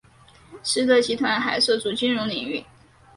实德集团还涉足金融领域。